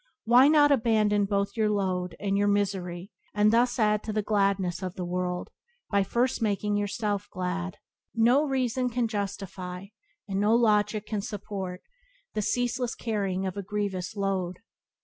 Why not abandon both your load and your misery, and thus add to the gladness of the world by first making yourself glad? No reason can justify, and no logic support, the ceaseless carrying of a grievous load.